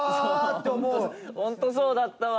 ホントそうだったわ。